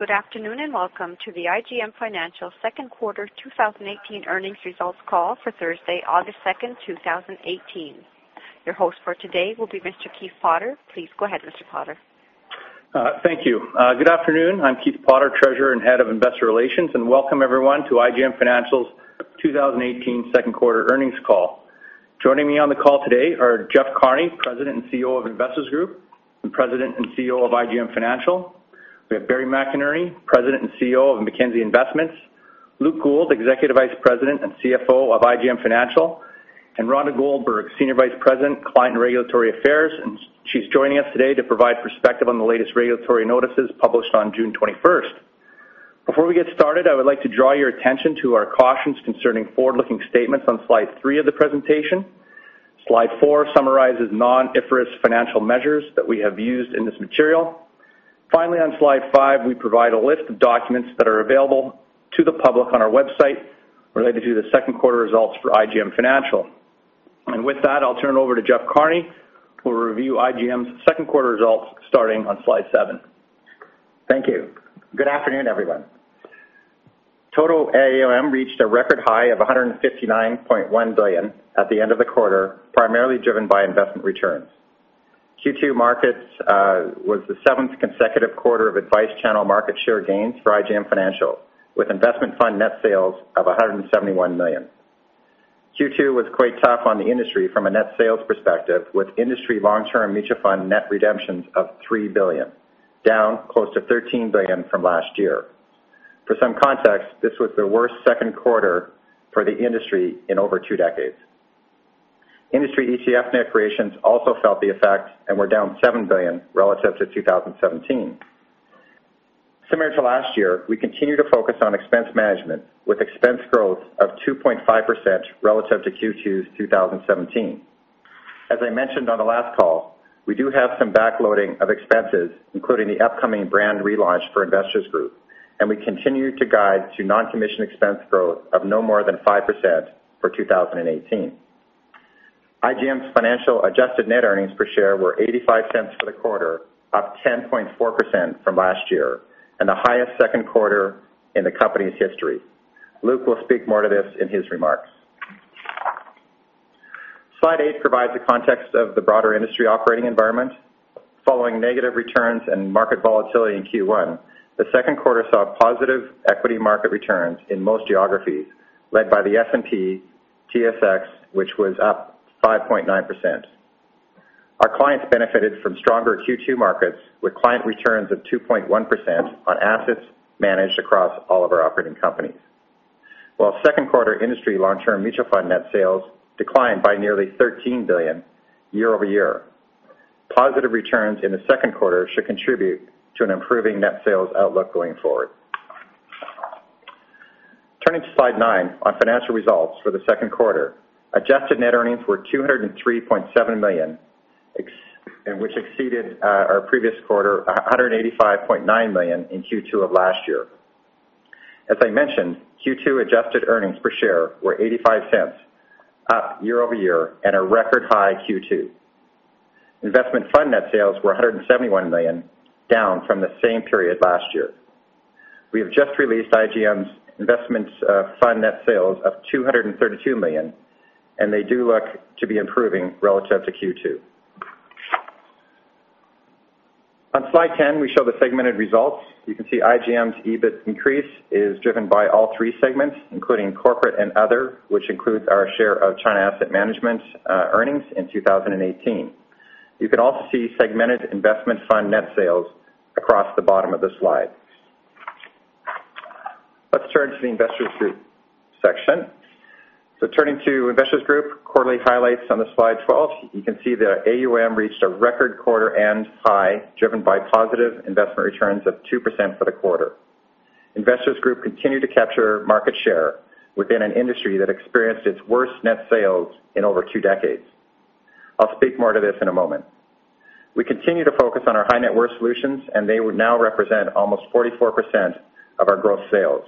Good afternoon, and welcome to the IGM Financial Second Quarter 2018 Earnings Results Call for Thursday, August 2, 2018. Your host for today will be Mr. Keith Potter. Please go ahead, Mr. Potter. Thank you. Good afternoon. I'm Keith Potter, Treasurer and Head of Investor Relations, and welcome everyone to IGM Financial's 2018 second quarter earnings call. Joining me on the call today are Jeff Carney, President and CEO of Investors Group, and President and CEO of IGM Financial. We have Barry McInerney, President and CEO of Mackenzie Investments. Luke Gould, Executive Vice President and CFO of IGM Financial, and Rhonda Goldberg, Senior Vice President, Client and Regulatory Affairs, and she's joining us today to provide perspective on the latest regulatory notices published on June 21. Before we get started, I would like to draw your attention to our cautions concerning forward-looking statements on slide 3 of the presentation. Slide 4 summarizes non-IFRS financial measures that we have used in this material. Finally, on slide five, we provide a list of documents that are available to the public on our website related to the second quarter results for IGM Financial. With that, I'll turn it over to Jeff Carney, who will review IGM's second quarter results, starting on slide seven. Thank you. Good afternoon, everyone. Total AUM reached a record high of 159.1 billion at the end of the quarter, primarily driven by investment returns. Q2 markets was the seventh consecutive quarter of advice channel market share gains for IGM Financial, with investment fund net sales of 171 million. Q2 was quite tough on the industry from a net sales perspective, with industry long-term mutual fund net redemptions of 3 billion, down close to 13 billion from last year. For some context, this was the worst second quarter for the industry in over two decades. Industry ETF net creations also felt the effect and were down 7 billion relative to 2017. Similar to last year, we continue to focus on expense management, with expense growth of 2.5% relative to Q2's 2017. As I mentioned on the last call, we do have some backloading of expenses, including the upcoming brand relaunch for Investors Group, and we continue to guide to non-commission expense growth of no more than 5% for 2018. IGM Financial's adjusted net earnings per share were 0.85 for the quarter, up 10.4% from last year, and the highest second quarter in the company's history. Luke will speak more to this in his remarks. Slide 8 provides a context of the broader industry operating environment. Following negative returns and market volatility in Q1, the second quarter saw positive equity market returns in most geographies, led by the S&P/TSX, which was up 5.9%. Our clients benefited from stronger Q2 markets, with client returns of 2.1% on assets managed across all of our operating companies. While second quarter industry long-term mutual fund net sales declined by nearly 13 billion year-over-year, positive returns in the second quarter should contribute to an improving net sales outlook going forward. Turning to slide nine on financial results for the second quarter, adjusted net earnings were 203.7 million, ex- and which exceeded our previous quarter, 185.9 million in Q2 of last year. As I mentioned, Q2 adjusted earnings per share were $0.85, up year-over-year at a record high Q2. Investment fund net sales were 171 million, down from the same period last year. We have just released IGM's investments fund net sales of 232 million, and they do look to be improving relative to Q2. On slide ten, we show the segmented results. You can see IGM's EBIT increase is driven by all three segments, including corporate and other, which includes our share of China Asset Management earnings in 2018. You can also see segmented investment fund net sales across the bottom of the slide. Let's turn to the Investors Group section. So turning to Investors Group, quarterly highlights on the slide 12, you can see that AUM reached a record quarter-end high, driven by positive investment returns of 2% for the quarter. Investors Group continued to capture market share within an industry that experienced its worst net sales in over two decades. I'll speak more to this in a moment. We continue to focus on our high net worth solutions, and they would now represent almost 44% of our gross sales.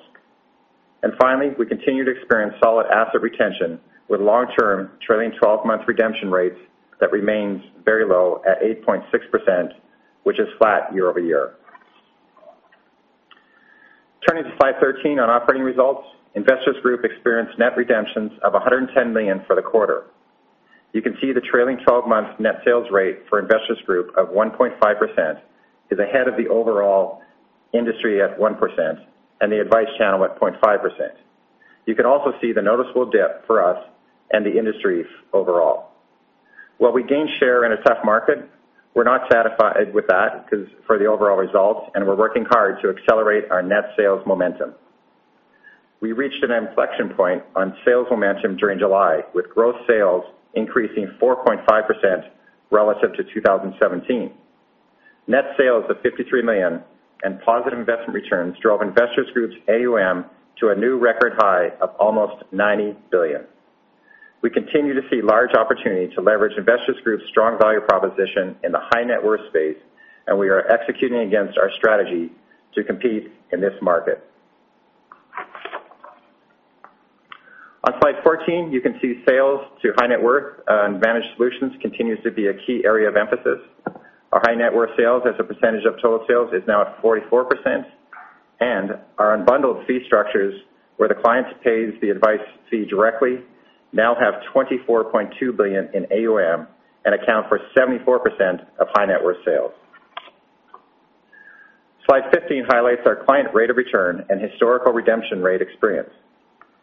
And finally, we continue to experience solid asset retention with long-term trailing twelve-month redemption rates that remains very low at 8.6%, which is flat year-over-year. Turning to slide 13 on operating results, Investors Group experienced net redemptions of 110 million for the quarter. You can see the trailing twelve-month net sales rate for Investors Group of 1.5% is ahead of the overall industry at 1% and the advice channel at 0.5%. You can also see the noticeable dip for us and the industry overall. While we gained share in a tough market, we're not satisfied with that because for the overall results, and we're working hard to accelerate our net sales momentum. We reached an inflection point on sales momentum during July, with gross sales increasing 4.5% relative to 2017. Net sales of 53 million and positive investment returns drove Investors Group's AUM to a new record high of almost 90 billion. We continue to see large opportunity to leverage Investors Group's strong value proposition in the high net worth space, and we are executing against our strategy to compete in this market. On slide 14, you can see sales to high net worth, and managed solutions continues to be a key area of emphasis. Our high net worth sales as a percentage of total sales is now at 44%, and our unbundled fee structures, where the client pays the advice fee directly, now have 24.2 billion in AUM and account for 74% of high net worth sales. Slide 15 highlights our client rate of return and historical redemption rate experience.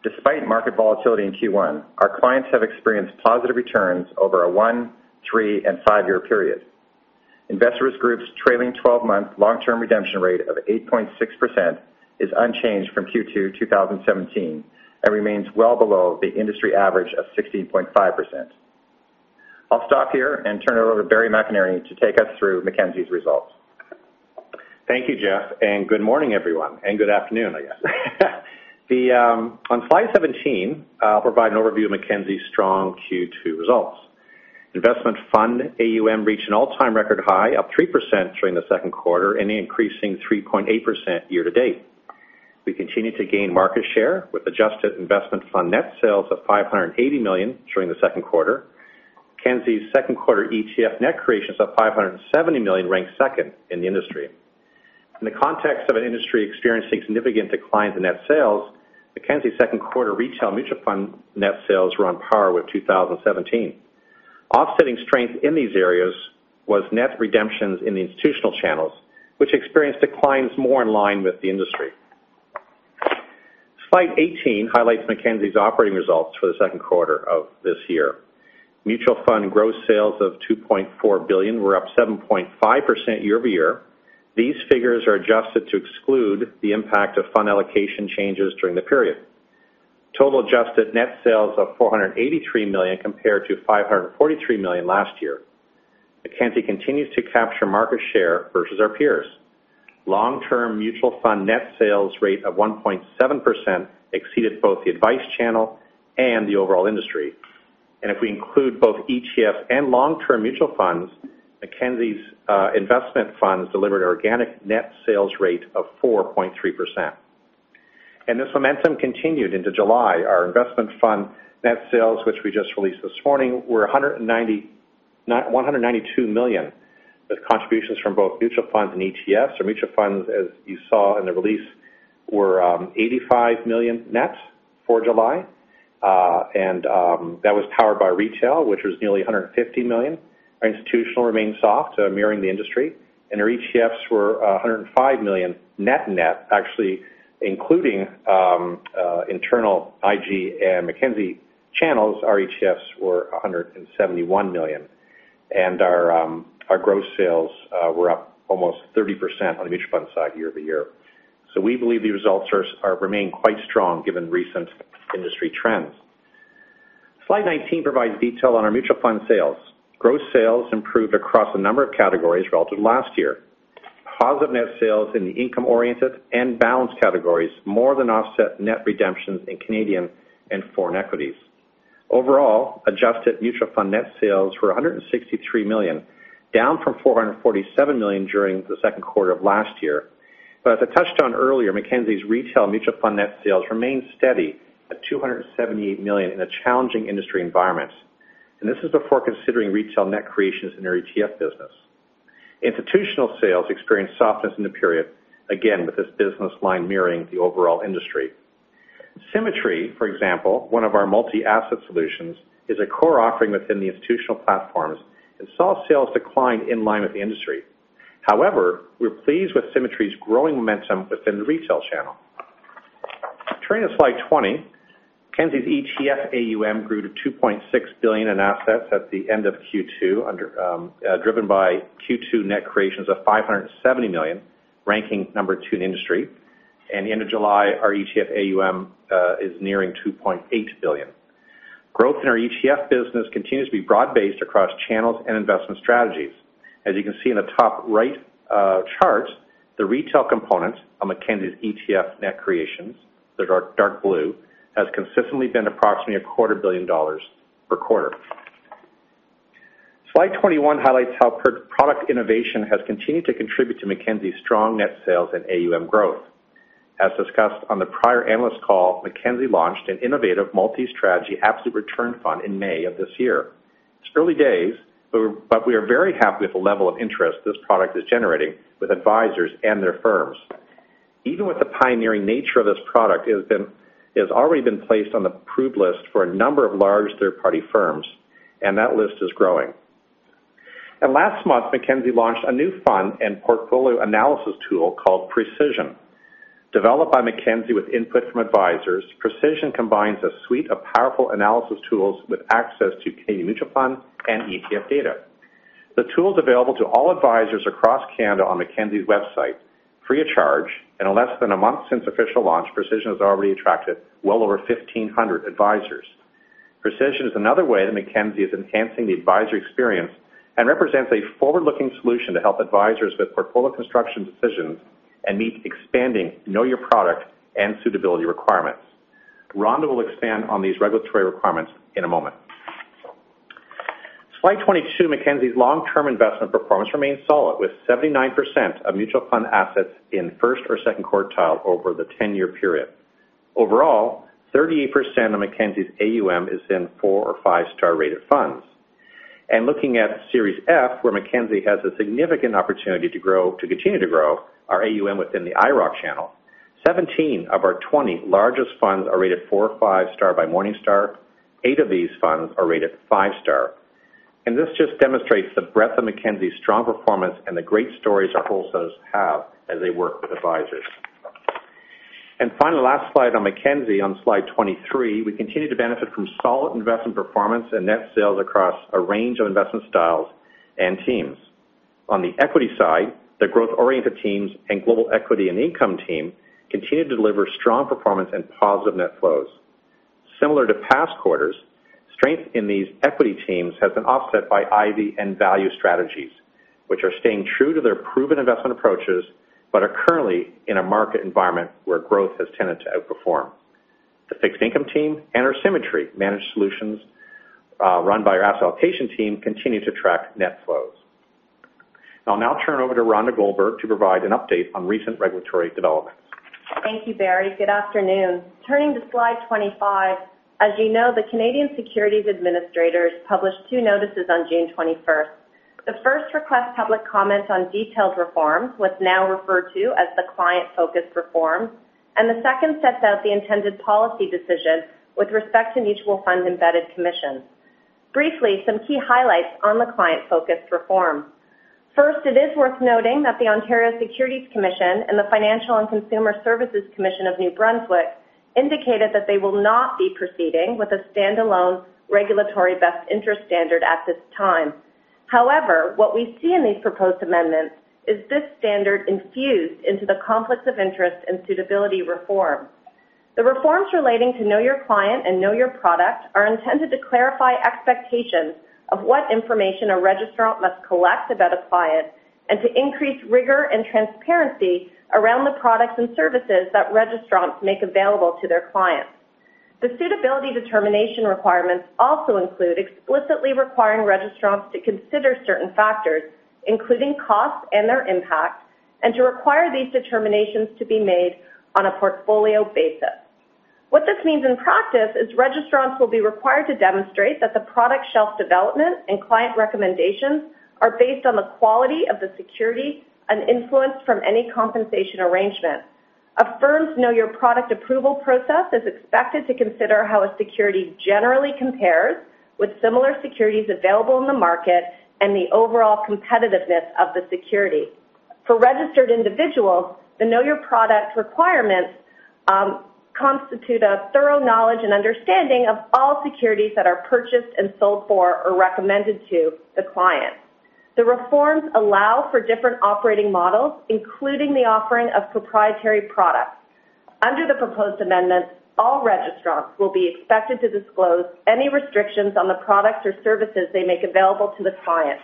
Despite market volatility in Q1, our clients have experienced positive returns over a 1-, 3-, and 5-year period. Investors Group's trailing twelve-month long-term redemption rate of 8.6% is unchanged from Q2 2017, and remains well below the industry average of 16.5%. I'll stop here and turn it over to Barry McInerney to take us through Mackenzie's results. Thank you, Jeff, and good morning, everyone, and good afternoon, I guess. On slide 17, I'll provide an overview of Mackenzie's strong Q2 results. Investment fund AUM reached an all-time record high, up 3% during the second quarter and increasing 3.8% year to date. We continue to gain market share with adjusted investment fund net sales of 580 million during the second quarter. Mackenzie's second quarter ETF net creations of 570 million ranked second in the industry. In the context of an industry experiencing significant declines in net sales, Mackenzie's second quarter retail mutual fund net sales were on par with 2017. Offsetting strength in these areas was net redemptions in the institutional channels, which experienced declines more in line with the industry. Slide 18 highlights Mackenzie's operating results for the second quarter of this year. Mutual fund gross sales of 2.4 billion were up 7.5% year-over-year. These figures are adjusted to exclude the impact of fund allocation changes during the period. Total adjusted net sales of 483 million compared to 543 million last year. Mackenzie continues to capture market share versus our peers. Long-term mutual fund net sales rate of 1.7% exceeded both the advice channel and the overall industry. If we include both ETF and long-term mutual funds, Mackenzie's investment funds delivered an organic net sales rate of 4.3%. This momentum continued into July. Our investment fund net sales, which we just released this morning, were 192 million, with contributions from both mutual funds and ETFs. Mutual funds, as you saw in the release, were 85 million net for July. And that was powered by retail, which was nearly 150 million. Our institutional remained soft, mirroring the industry, and our ETFs were 105 million net net, actually, including internal IG and Mackenzie channels, our ETFs were 171 million. And our gross sales were up almost 30% on the mutual fund side year-over-year. We believe the results are remain quite strong given recent industry trends. Slide 19 provides detail on our mutual fund sales. Gross sales improved across a number of categories relative to last year. Positive net sales in the income-oriented and balanced categories, more than offset net redemptions in Canadian and foreign equities. Overall, adjusted mutual fund net sales were 163 million, down from 447 million during the second quarter of last year. But as I touched on earlier, Mackenzie's retail mutual fund net sales remained steady at 278 million in a challenging industry environment, and this is before considering retail net creations in our ETF business. Institutional sales experienced softness in the period, again, with this business line mirroring the overall industry. Symmetry, for example, one of our multi-asset solutions, is a core offering within the institutional platforms and saw sales decline in line with the industry. However, we're pleased with Symmetry's growing momentum within the retail channel. Turning to slide 20, Mackenzie's ETF AUM grew to 2.6 billion in assets at the end of Q2, driven by Q2 net creations of 570 million, ranking number 2 in the industry. The end of July, our ETF AUM is nearing 2.8 billion. Growth in our ETF business continues to be broad-based across channels and investment strategies. As you can see in the top right chart, the retail component on Mackenzie's ETF net creations, that are dark blue, has consistently been approximately 250 million dollars per quarter. Slide 21 highlights how product innovation has continued to contribute to Mackenzie's strong net sales and AUM growth. As discussed on the prior analyst call, Mackenzie launched an innovative multi-strategy absolute return fund in May of this year. It's early days, but we are very happy with the level of interest this product is generating with advisors and their firms. Even with the pioneering nature of this product, it has already been placed on the approved list for a number of large third-party firms, and that list is growing. Last month, Mackenzie launched a new fund and portfolio analysis tool called Precision. Developed by Mackenzie with input from advisors, Precision combines a suite of powerful analysis tools with access to Canadian mutual fund and ETF data. The tool is available to all advisors across Canada on Mackenzie's website free of charge, and in less than a month since official launch, Precision has already attracted well over 1,500 advisors. Precision is another way that Mackenzie is enhancing the advisor experience and represents a forward-looking solution to help advisors with portfolio construction decisions and meet expanding Know Your Product and suitability requirements. Rhonda will expand on these regulatory requirements in a moment. Slide 22, Mackenzie's long-term investment performance remains solid, with 79% of mutual fund assets in first or second quartile over the 10-year period. Overall, 38% of Mackenzie's AUM is in 4- or 5-star rated funds. And looking at Series F, where Mackenzie has a significant opportunity to grow- to continue to grow our AUM within the IIROC channel, 17 of our 20 largest funds are rated 4- or 5-star by Morningstar. Eight of these funds are rated 5-star. And this just demonstrates the breadth of Mackenzie's strong performance and the great stories our wholesalers have as they work with advisors. And finally, last slide on Mackenzie, on slide 23, we continue to benefit from solid investment performance and net sales across a range of investment styles and teams. On the equity side, the growth-oriented teams and global equity and income team continue to deliver strong performance and positive net flows. Similar to past quarters, strength in these equity teams has been offset by Ivy and value strategies, which are staying true to their proven investment approaches, but are currently in a market environment where growth has tended to outperform. The fixed income team and our Symmetry Managed Solutions, run by our asset allocation team, continue to track net flows. I'll now turn over to Rhonda Goldberg to provide an update on recent regulatory developments. Thank you, Barry. Good afternoon. Turning to slide 25, as you know, the Canadian Securities Administrators published two notices on June 21. The first requests public comment on detailed reforms, what's now referred to as the client-focused reforms, and the second sets out the intended policy decision with respect to mutual fund embedded commissions. Briefly, some key highlights on the client-focused reforms. First, it is worth noting that the Ontario Securities Commission and the Financial and Consumer Services Commission of New Brunswick indicated that they will not be proceeding with a standalone regulatory best interest standard at this time. However, what we see in these proposed amendments is this standard infused into the conflicts of interest and suitability reform. The reforms relating to Know Your Client and Know Your Product are intended to clarify expectations of what information a registrant must collect about a client, and to increase rigor and transparency around the products and services that registrants make available to their clients. The suitability determination requirements also include explicitly requiring registrants to consider certain factors, including costs and their impact, and to require these determinations to be made on a portfolio basis. What this means in practice is registrants will be required to demonstrate that the product shelf development and client recommendations are based on the quality of the security and influence from any compensation arrangement. A firm's Know Your Product approval process is expected to consider how a security generally compares with similar securities available in the market and the overall competitiveness of the security. For registered individuals, the Know Your Product requirements constitute a thorough knowledge and understanding of all securities that are purchased and sold for or recommended to the client. The reforms allow for different operating models, including the offering of proprietary products. Under the proposed amendments, all registrants will be expected to disclose any restrictions on the products or services they make available to the client.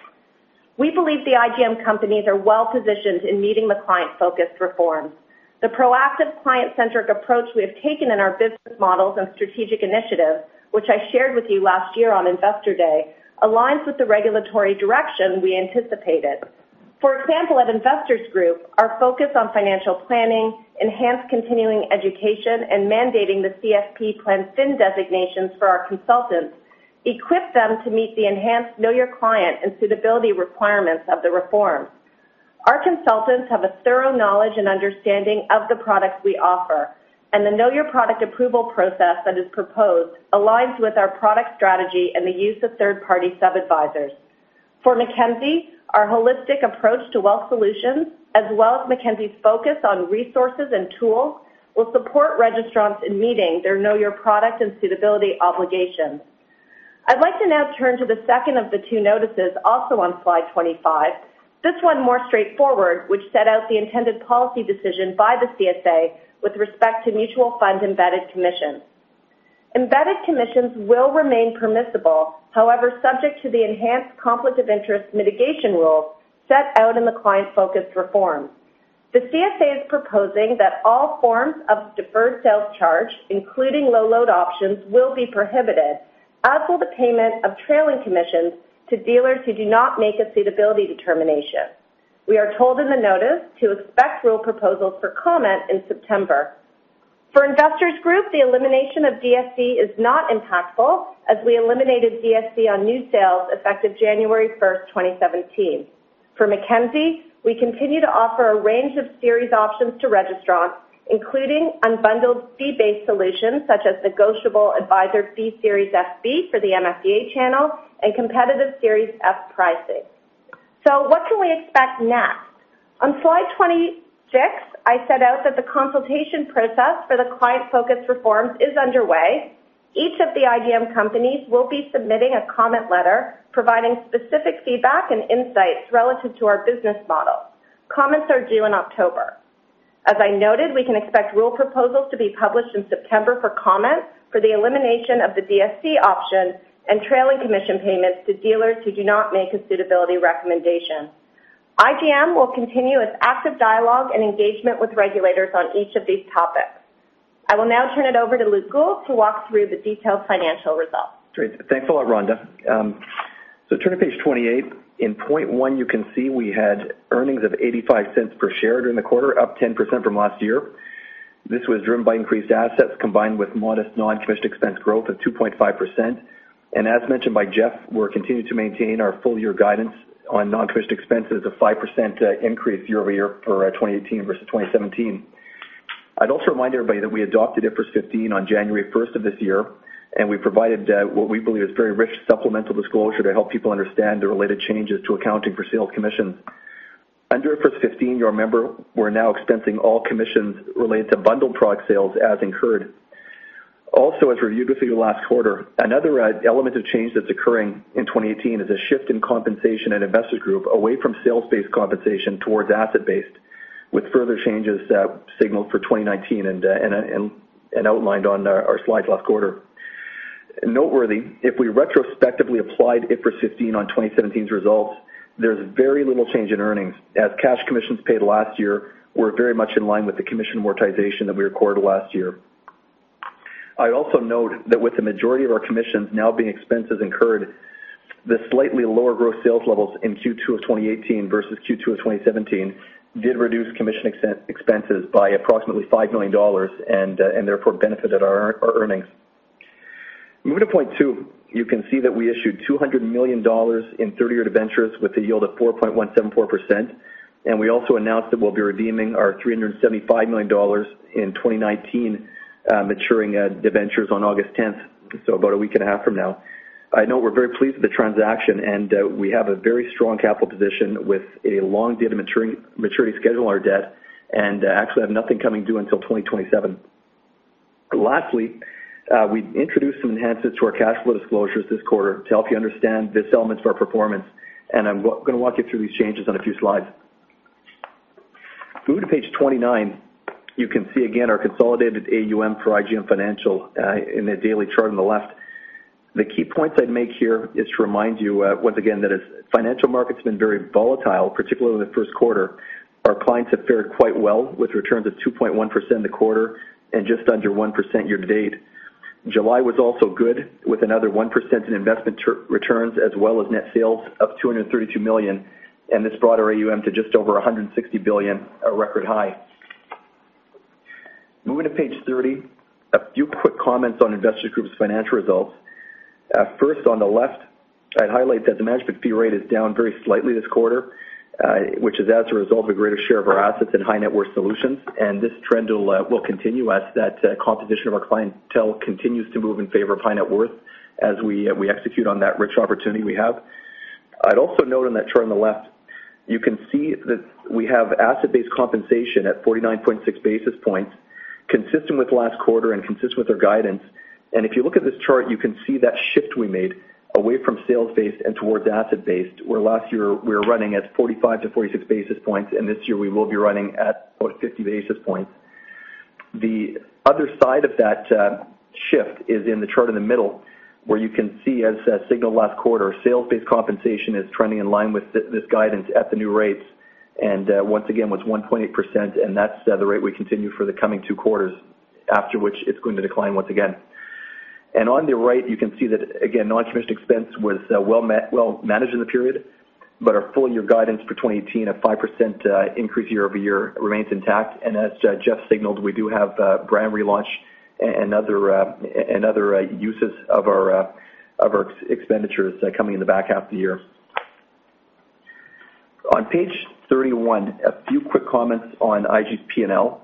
We believe the IGM companies are well positioned in meeting the Client-Focused Reforms. The proactive, client-centric approach we have taken in our business models and strategic initiatives, which I shared with you last year on Investor Day, aligns with the regulatory direction we anticipated. For example, at Investors Group, our focus on financial planning, enhanced continuing education, and mandating the CFP Pl. Fin. designations for our consultants, equip them to meet the enhanced Know Your Client and suitability requirements of the reform. Our consultants have a thorough knowledge and understanding of the products we offer, and the Know Your Product approval process that is proposed aligns with our product strategy and the use of third-party sub-advisors. For Mackenzie, our holistic approach to wealth solutions, as well as Mackenzie's focus on resources and tools, will support registrants in meeting their Know Your Product and suitability obligations. I'd like to now turn to the second of the two notices, also on slide 25. This one more straightforward, which set out the intended policy decision by the CSA with respect to Mutual Fund Embedded Commissions. Embedded Commissions will remain permissible, however, subject to the enhanced conflict of interest mitigation rules set out in the Client-Focused Reforms. The CSA is proposing that all forms of deferred sales charge, including low load options, will be prohibited, as will the payment of trailing commissions to dealers who do not make a suitability determination. We are told in the notice to expect rule proposals for comment in September. For Investors Group, the elimination of DSC is not impactful, as we eliminated DSC on new sales effective January 1, 2017. For Mackenzie, we continue to offer a range of series options to registrants, including unbundled fee-based solutions such as Negotiable Advisor Fee Series FB for the MFDA channel and competitive Series F pricing. So what can we expect next? On slide 26, I set out that the consultation process for the client-focused reforms is underway. Each of the IGM companies will be submitting a comment letter, providing specific feedback and insights relative to our business model. Comments are due in October. As I noted, we can expect rule proposals to be published in September for comment for the elimination of the DSC option and trailing commission payments to dealers who do not make a suitability recommendation.... IGM will continue its active dialogue and engagement with regulators on each of these topics. I will now turn it over to Luke Gould to walk through the detailed financial results. Great. Thanks a lot, Rhonda. So turn to page 28. In point one, you can see we had earnings of 0.85 per share during the quarter, up 10% from last year. This was driven by increased assets, combined with modest non-commissioned expense growth of 2.5%. As mentioned by Jeff, we're continuing to maintain our full year guidance on non-commissioned expenses of 5% increase year-over-year for 2018 versus 2017. I'd also remind everybody that we adopted IFRS 15 on January first of this year, and we provided what we believe is very rich supplemental disclosure to help people understand the related changes to accounting for sales commissions. Under IFRS 15, you'll remember, we're now expensing all commissions related to bundled product sales as incurred. Also, as reviewed with you last quarter, another element of change that's occurring in 2018 is a shift in compensation and Investors Group away from sales-based compensation towards asset-based, with further changes signaled for 2019 and outlined on our slides last quarter. Noteworthy, if we retrospectively applied IFRS 15 on 2017's results, there's very little change in earnings, as cash commissions paid last year were very much in line with the commission amortization that we recorded last year. I'd also note that with the majority of our commissions now being expenses incurred, the slightly lower gross sales levels in Q2 of 2018 versus Q2 of 2017 did reduce commission expenses by approximately 5 million dollars and therefore benefited our earnings. Moving to point two, you can see that we issued 200 million dollars in 30-year debentures with a yield of 4.174%, and we also announced that we'll be redeeming our 375 million dollars in 2019 maturing debentures on August 10, so about a week and a half from now. I know we're very pleased with the transaction, and we have a very strong capital position with a long date of maturity schedule on our debt, and actually have nothing coming due until 2027. Lastly, we introduced some enhancements to our cash flow disclosures this quarter to help you understand this element of our performance, and I'm gonna walk you through these changes on a few slides. If you were to page 29, you can see again our consolidated AUM for IGM Financial in the daily chart on the left. The key points I'd make here is to remind you once again that as financial markets have been very volatile, particularly in the first quarter, our clients have fared quite well with returns of 2.1% in the quarter and just under 1% year to date. July was also good, with another 1% in investment returns, as well as net sales of 232 million, and this brought our AUM to just over 160 billion, a record high. Moving to page 30, a few quick comments on Investors Group's financial results. First, on the left, I'd highlight that the management fee rate is down very slightly this quarter, which is as a result of a greater share of our assets in high net worth solutions, and this trend will continue as that composition of our clientele continues to move in favor of high net worth as we execute on that rich opportunity we have. I'd also note on that chart on the left, you can see that we have asset-based compensation at 49.6 basis points, consistent with last quarter and consistent with our guidance. And if you look at this chart, you can see that shift we made away from sales-based and towards asset-based, where last year we were running at 45-46 basis points, and this year we will be running at about 50 basis points. The other side of that shift is in the chart in the middle, where you can see, as signaled last quarter, sales-based compensation is trending in line with this guidance at the new rates, and once again, was 1.8%, and that's the rate we continue for the coming two quarters, after which it's going to decline once again. On the right, you can see that, again, non-commissioned expense was well managed in the period, but our full year guidance for 2018, a 5% increase year over year remains intact. As Jeff signaled, we do have brand relaunch and other uses of our expenditures coming in the back half of the year. On page 31, a few quick comments on IG PNL,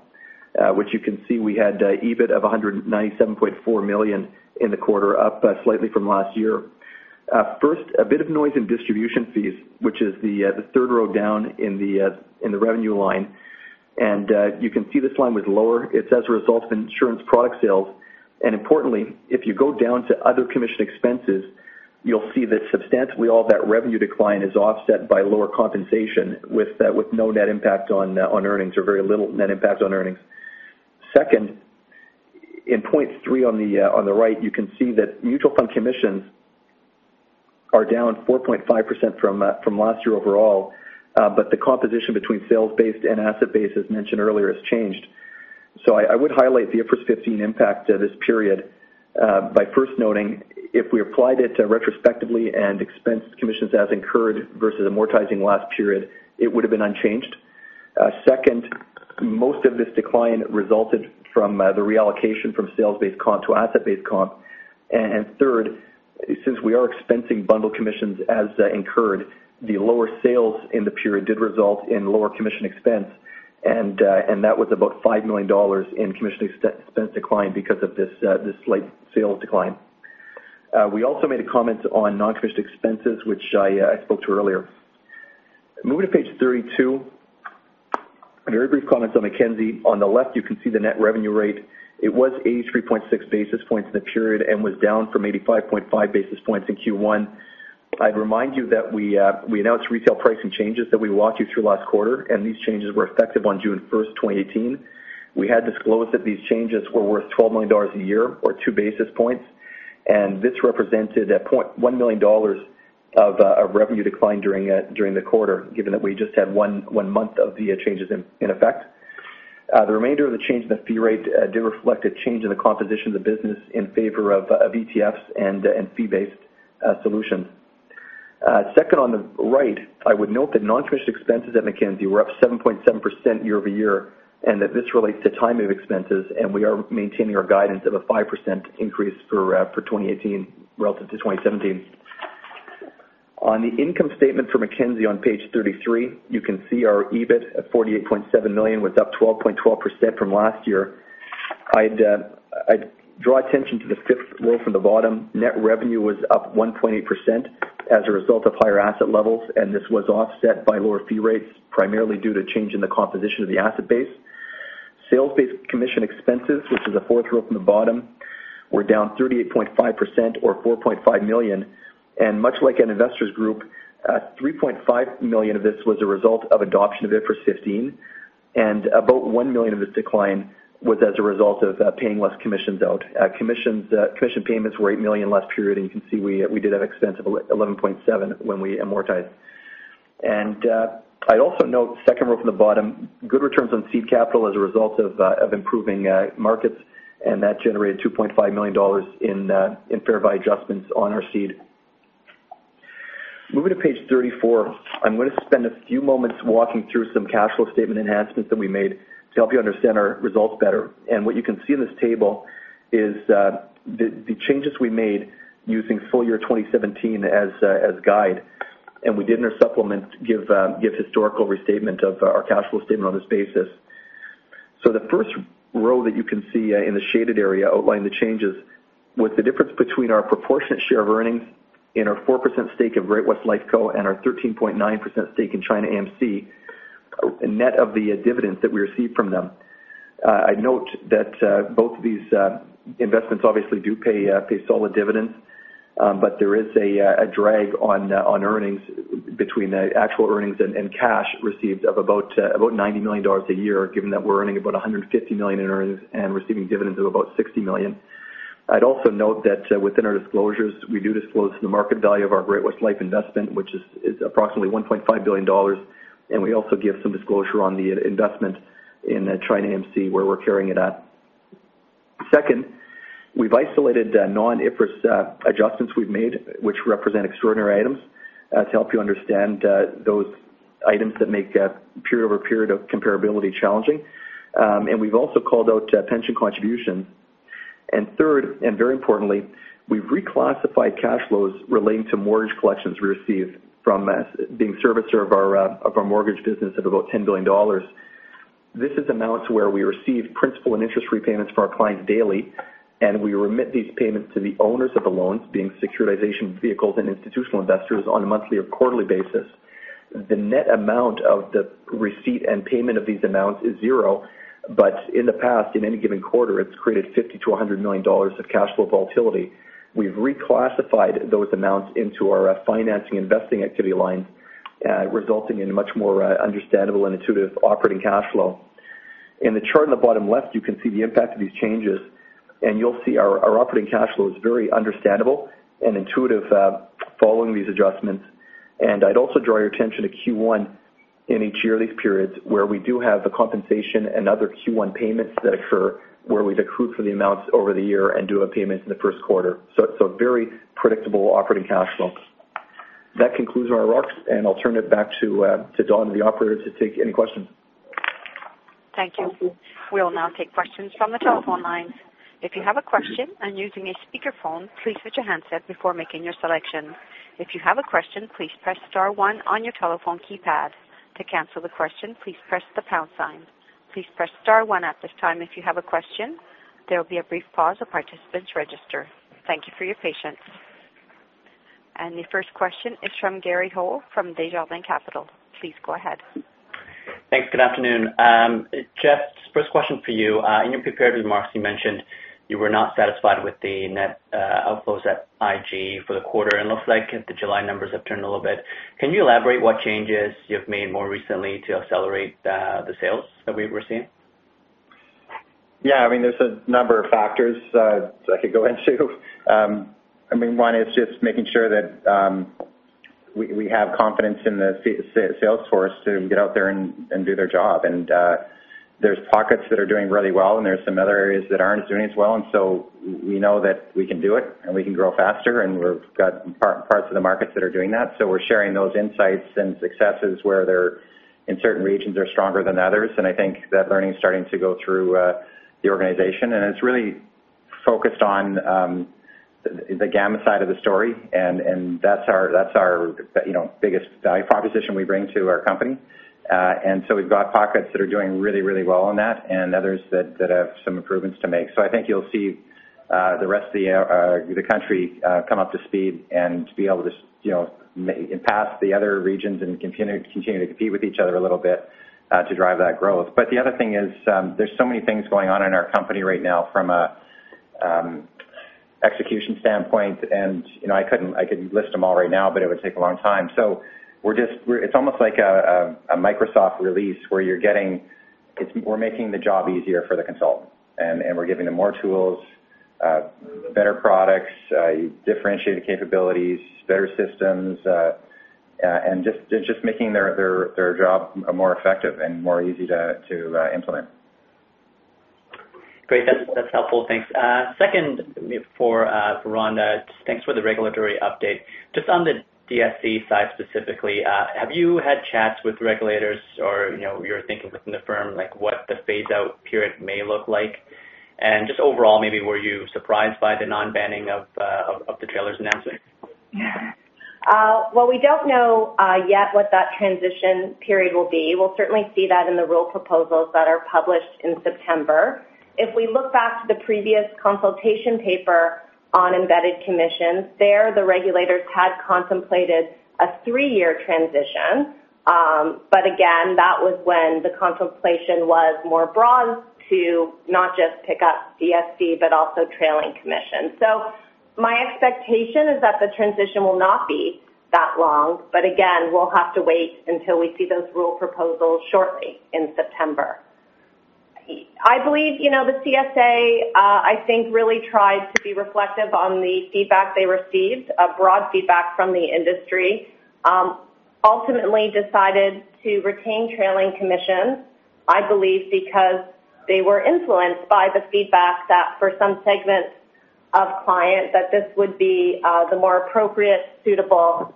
which you can see we had EBIT of 197.4 million in the quarter, up slightly from last year. First, a bit of noise in distribution fees, which is the third row down in the revenue line. You can see this line was lower. It's as a result of insurance product sales, and importantly, if you go down to other commission expenses, you'll see that substantially all that revenue decline is offset by lower compensation with no net impact on earnings or very little net impact on earnings. Second, in point three on the right, you can see that mutual fund commissions are down 4.5% from last year overall, but the composition between sales-based and asset-based, as mentioned earlier, has changed. So I would highlight the IFRS 15 impact of this period by first noting if we applied it retrospectively and expensed commissions as incurred versus amortizing last period, it would have been unchanged. Second, most of this decline resulted from the reallocation from sales-based comp to asset-based comp. And third, since we are expensing bundle commissions as incurred, the lower sales in the period did result in lower commission expense, and that was about 5 million dollars in commission expense decline because of this slight sales decline. We also made a comment on non-commissioned expenses, which I spoke to earlier. Moving to page 32, a very brief comment on Mackenzie. On the left, you can see the net revenue rate. It was 83.6 basis points in the period and was down from 85.5 basis points in Q1. I'd remind you that we announced retail pricing changes that we walked you through last quarter, and these changes were effective on June 1, 2018. We had disclosed that these changes were worth $12 million a year or two basis points, and this represented about $1 million of a revenue decline during the quarter, given that we just had one month of the changes in effect. The remainder of the change in the fee rate do reflect a change in the composition of the business in favor of ETFs and fee-based solutions. Second, on the right, I would note that non-interest expenses at Mackenzie were up 7.7% year-over-year, and that this relates to timing of expenses, and we are maintaining our guidance of a 5% increase for 2018 relative to 2017. On the income statement for Mackenzie on page 33, you can see our EBIT at 48.7 million was up 12.12% from last year. I'd draw attention to the fifth row from the bottom. Net revenue was up 1.8% as a result of higher asset levels, and this was offset by lower fee rates, primarily due to change in the composition of the asset base. Sales-based commission expenses, which is the fourth row from the bottom, were down 38.5% or 4.5 million, and much like an Investors Group, three point five million of this was a result of adoption of IFRS 15, and about one million of this decline was as a result of paying less commissions out. Commissions, commission payments were eight million last period, and you can see we, we did an expense of eleven point seven when we amortized. I'd also note, second row from the bottom, good returns on seed capital as a result of improving markets, and that generated 2.5 million dollars in fair value adjustments on our seed. Moving to page 34, I'm going to spend a few moments walking through some cash flow statement enhancements that we made to help you understand our results better. What you can see in this table is the changes we made using full year 2017 as guide, and we did in our supplement give historical restatement of our cash flow statement on this basis. The first row that you can see in the shaded area outline the changes with the difference between our proportionate share of earnings in our 4% stake of Great-West Lifeco. and our 13.9% stake in China AMC, net of the dividends that we received from them. I'd note that both of these investments obviously do pay solid dividends, but there is a drag on earnings between the actual earnings and cash received of about 90 million dollars a year, given that we're earning about 150 million in earnings and receiving dividends of about 60 million. I'd also note that within our disclosures, we do disclose the market value of our Great-West Life investment, which is approximately 1.5 billion dollars, and we also give some disclosure on the investment in China AMC, where we're carrying it at. Second, we've isolated the non-IFRS adjustments we've made, which represent extraordinary items, to help you understand those items that make period-over-period comparability challenging. And we've also called out pension contributions. And third, and very importantly, we've reclassified cash flows relating to mortgage collections we receive from being servicer of our of our mortgage business of about 10 billion dollars. This is amounts where we receive principal and interest repayments from our clients daily, and we remit these payments to the owners of the loans, being securitization vehicles and institutional investors, on a monthly or quarterly basis. The net amount of the receipt and payment of these amounts is zero, but in the past, in any given quarter, it's created 50 million-100 million dollars of cash flow volatility. We've reclassified those amounts into our financing investing activity line, resulting in a much more understandable and intuitive operating cash flow. In the chart on the bottom left, you can see the impact of these changes, and you'll see our operating cash flow is very understandable and intuitive following these adjustments. I'd also draw your attention to Q1 in each year of these periods, where we do have the compensation and other Q1 payments that occur, where we've accrued for the amounts over the year and do a payment in the first quarter. So very predictable operating cash flows. That concludes our remarks, and I'll turn it back to Don, the operator, to take any questions. Thank you. We will now take questions from the telephone lines. If you have a question and using a speakerphone, please mute your handset before making your selection. If you have a question, please press star one on your telephone keypad. To cancel the question, please press the pound sign. Please press star one at this time if you have a question. There will be a brief pause as participants register. Thank you for your patience. The first question is from Gary Ho from Desjardins Capital. Please go ahead. Thanks. Good afternoon. Jeff, first question for you. In your prepared remarks, you mentioned you were not satisfied with the net outflows at IG for the quarter, and looks like the July numbers have turned a little bit. Can you elaborate what changes you've made more recently to accelerate the sales that we were seeing? Yeah, I mean, there's a number of factors I could go into. I mean, one is just making sure that we have confidence in the sales force to get out there and do their job. And there's pockets that are doing really well, and there's some other areas that aren't doing as well, and so we know that we can do it, and we can grow faster, and we've got parts of the markets that are doing that. So we're sharing those insights and successes where they are, in certain regions, stronger than others. And I think that learning is starting to go through the organization, and it's really focused on the Gamma side of the story, and that's our, that's our, you know, biggest value proposition we bring to our company. And so we've got pockets that are doing really, really well on that and others that have some improvements to make. So I think you'll see the rest of the country come up to speed and be able to, you know, match and pass the other regions and continue to compete with each other a little bit to drive that growth. But the other thing is, there's so many things going on in our company right now from an execution standpoint, and, you know, I couldn't list them all right now, but it would take a long time. So we're just, it's almost like a Microsoft release, where you're getting-... it's we're making the job easier for the consultant, and we're giving them more tools, better products, differentiated capabilities, better systems, and just making their job more effective and more easy to implement. Great. That's, that's helpful. Thanks. Second for Rhonda, thanks for the regulatory update. Just on the DSC side specifically, have you had chats with regulators or, you know, your thinking within the firm, like what the phase out period may look like? And just overall, maybe were you surprised by the non-banning of the trailers announcement? Well, we don't know yet what that transition period will be. We'll certainly see that in the rule proposals that are published in September. If we look back to the previous consultation paper on embedded commissions, there, the regulators had contemplated a three-year transition. But again, that was when the contemplation was more broad to not just pick up DSC, but also trailing commission. So my expectation is that the transition will not be that long, but again, we'll have to wait until we see those rule proposals shortly in September. I believe, you know, the CSA, I think, really tried to be reflective on the feedback they received, a broad feedback from the industry. Ultimately decided to retain trailing commissions, I believe, because they were influenced by the feedback that for some segments of clients, that this would be the more appropriate, suitable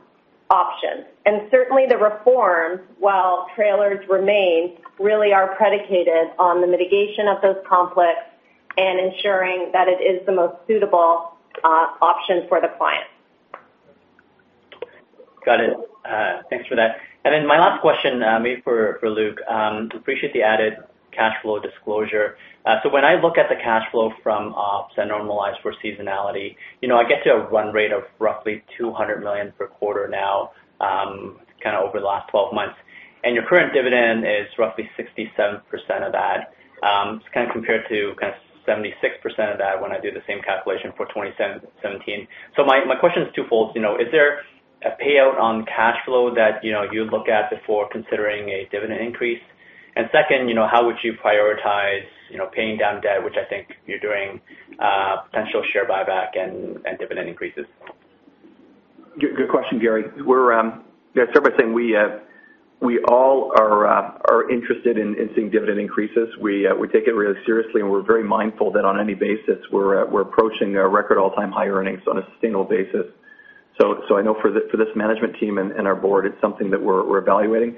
option. Certainly, the reforms, while trailers remain, really are predicated on the mitigation of those conflicts and ensuring that it is the most suitable option for the client. Got it. Thanks for that. And then my last question, maybe for, for Luke. Appreciate the added cash flow disclosure. So when I look at the cash flow from ops and normalized for seasonality, you know, I get to a run rate of roughly 200 million per quarter now, kind of over the last 12 months. And your current dividend is roughly 67% of that, it's kind of compared to kind of 76% of that when I do the same calculation for 2017. So my, my question is twofold, you know, is there a payout on cash flow that, you know, you'd look at before considering a dividend increase? And second, you know, how would you prioritize, you know, paying down debt, which I think you're doing, potential share buyback and, and dividend increases? Good, good question, Gary. We're, yeah, start by saying we, we all are, are interested in, in seeing dividend increases. We, we take it really seriously, and we're very mindful that on any basis, we're, we're approaching, record all-time high earnings on a sustainable basis. So, so I know for this, for this management team and, and our board, it's something that we're, we're evaluating,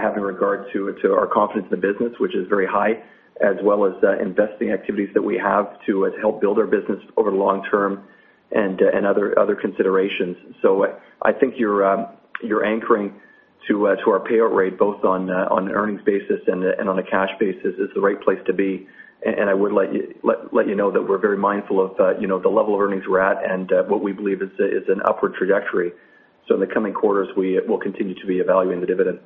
having regard to, to our confidence in the business, which is very high, as well as, investing activities that we have to, help build our business over the long term and, and other, other considerations. So I think you're, you're anchoring to, to our payout rate, both on, on an earnings basis and, and on a cash basis, is the right place to be. I would let you know that we're very mindful of, you know, the level of earnings we're at and what we believe is an upward trajectory. So in the coming quarters, we will continue to be evaluating the dividend.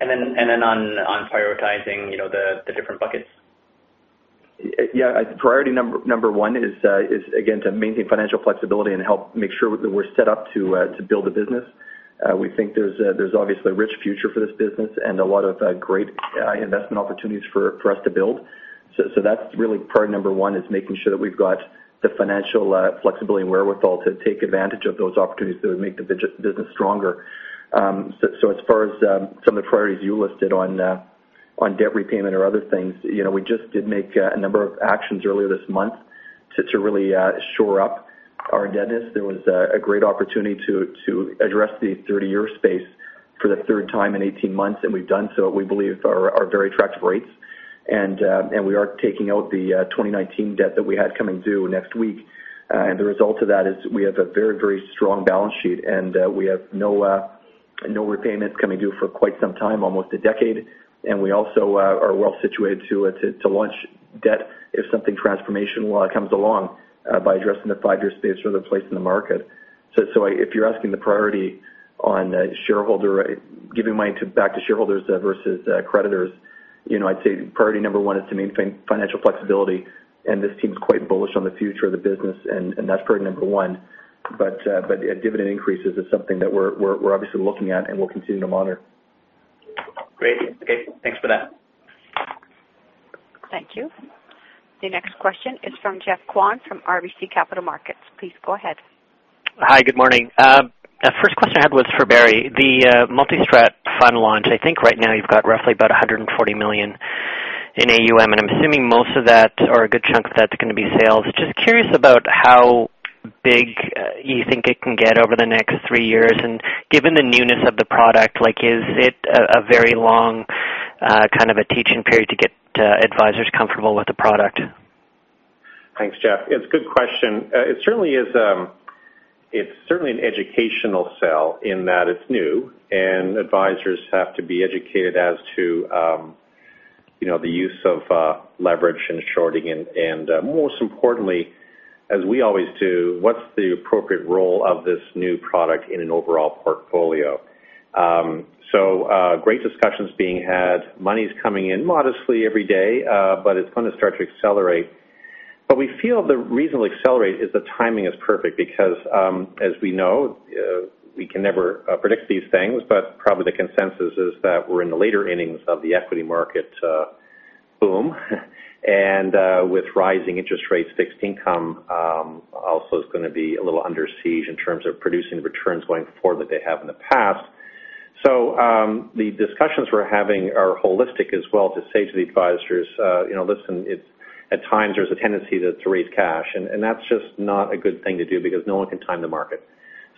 And then on prioritizing, you know, the different buckets. Yeah, priority number one is, again, to maintain financial flexibility and help make sure that we're set up to build a business. We think there's obviously a rich future for this business and a lot of great investment opportunities for us to build. So that's really priority number one, is making sure that we've got the financial flexibility and wherewithal to take advantage of those opportunities that would make the business stronger. So as far as some of the priorities you listed on debt repayment or other things, you know, we just did make a number of actions earlier this month to really shore up our indebtedness. There was a great opportunity to address the 30-year space for the third time in 18 months, and we've done so. We believe are very attractive rates. And we are taking out the 2019 debt that we had coming due next week. And the result of that is we have a very, very strong balance sheet, and we have no repayments coming due for quite some time, almost a decade. And we also are well situated to launch debt if something transformational comes along by addressing the 5-year space or other place in the market. So if you're asking the priority on shareholder giving money back to shareholders versus creditors, you know, I'd say priority number one is to maintain financial flexibility, and this team's quite bullish on the future of the business, and that's priority number one. But dividend increases is something that we're obviously looking at and we'll continue to monitor. Great. Okay, thanks for that. Thank you. The next question is from Geoffrey Kwan, from RBC Capital Markets. Please go ahead. Hi, good morning. The first question I had was for Barry. The multi-strat fund launch, I think right now you've got roughly about 140 million in AUM, and I'm assuming most of that or a good chunk of that is going to be sales. Just curious about how big you think it can get over the next three years. And given the newness of the product, like, is it a very long kind of a teaching period to get advisors comfortable with the product? Thanks, Jeff. It's a good question. It certainly is, it's certainly an educational sell in that it's new, and advisors have to be educated as to, you know, the use of, leverage and shorting. And, most importantly, as we always do, what's the appropriate role of this new product in an overall portfolio? So, great discussions being had. Money's coming in modestly every day, but it's going to start to accelerate. But we feel the reason we accelerate is the timing is perfect, because, as we know, we can never predict these things, but probably the consensus is that we're in the later innings of the equity market boom. With rising interest rates, fixed income also is gonna be a little under siege in terms of producing the returns going forward that they have in the past. So, the discussions we're having are holistic as well to say to the advisors, you know, listen, it's at times there's a tendency to raise cash, and that's just not a good thing to do because no one can time the market.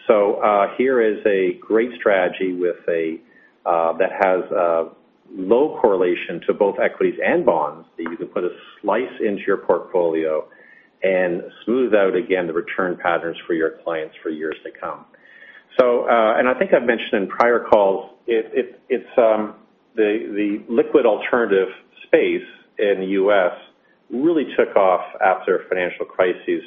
So, here is a great strategy with a that has low correlation to both equities and bonds, that you can put a slice into your portfolio and smooth out the return patterns for your clients for years to come. So, and I think I've mentioned in prior calls, it's the liquid alternative space in the U.S. really took off after financial crises.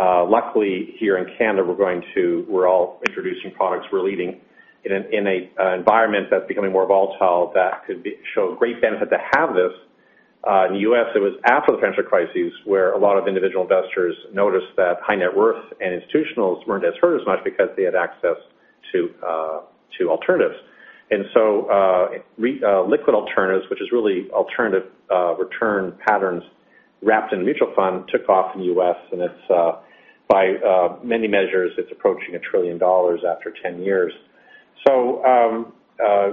Luckily, here in Canada, we're going to... We're all introducing products. We're leading in a environment that's becoming more volatile, that could show a great benefit to have this. In the US, it was after the financial crises, where a lot of individual investors noticed that high net worth and institutionals weren't as hurt as much because they had access to alternatives. And so, liquid alternatives, which is really alternative return patterns wrapped in mutual fund, took off in the US, and it's by many measures, it's approaching $1 trillion after 10 years. So,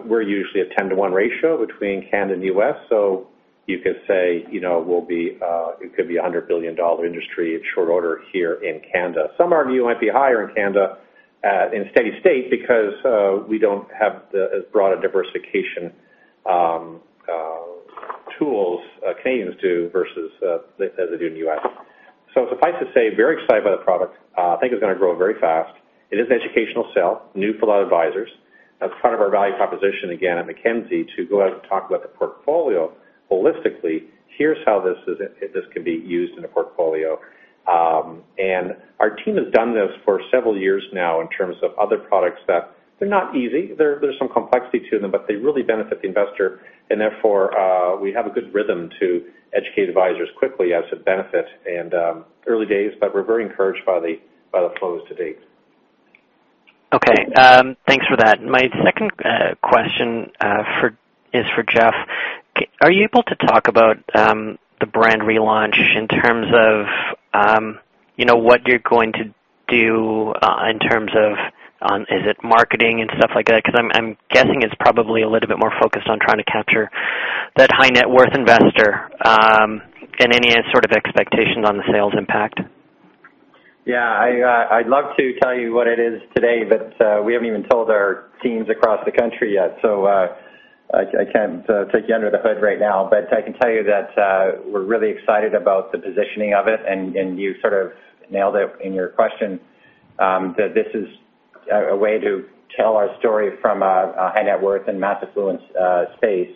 we're usually a 10-to-1 ratio between Canada and the US, so you could say, you know, it will be, it could be a 100 billion dollar industry in short order here in Canada. Some argue it might be higher in Canada, in steady state, because we don't have the as broad a diversification tools Canadians do versus as they do in the US. So suffice to say, very excited by the product. I think it's gonna grow very fast. It is an educational sell, new for a lot of advisors. That's part of our value proposition, again, at Mackenzie, to go out and talk about the portfolio holistically. Here's how this is, this can be used in a portfolio. And our team has done this for several years now in terms of other products, that they're not easy. There's some complexity to them, but they really benefit the investor, and therefore, we have a good rhythm to educate advisors quickly as to benefit. Early days, but we're very encouraged by the, by the flows to date. Okay. Thanks for that. My second question is for Jeff. Can you talk about the brand relaunch in terms of you know what you're going to do in terms of is it marketing and stuff like that? 'Cause I'm guessing it's probably a little bit more focused on trying to capture that high net worth investor. And any sort of expectations on the sales impact? Yeah, I'd love to tell you what it is today, but we haven't even told our teams across the country yet, so I can't take you under the hood right now. But I can tell you that we're really excited about the positioning of it, and you sort of nailed it in your question, that this is a way to tell our story from a high net worth and mass affluent space.